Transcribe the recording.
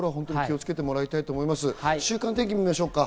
週間天気を見ましょうか。